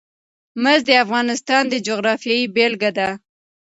مس د افغانستان د جغرافیې بېلګه ده.